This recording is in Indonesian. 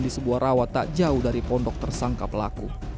di sebuah rawat tak jauh dari pondok tersangka pelaku